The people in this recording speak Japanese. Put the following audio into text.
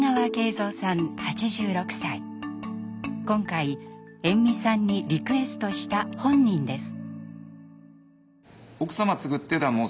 今回延味さんにリクエストした本人です。